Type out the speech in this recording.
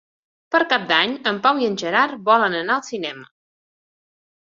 Per Cap d'Any en Pau i en Gerard volen anar al cinema.